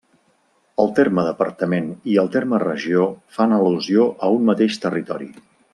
El terme Departament i el terme Regió fan al·lusió a un mateix territori.